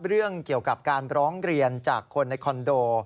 เรื่องเกี่ยวกับการร้องเรียนจากคนในคอนโด